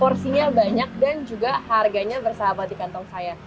porsinya banyak dan juga harganya bersahabat di kantong saya